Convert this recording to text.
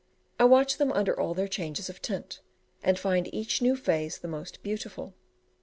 I watch them under all their changes of tint, and find each new phase the most beautiful.